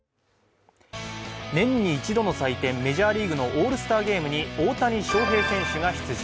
年に一度の祭典、メジャーリーグのオールスターゲームに大谷翔平選手が出場。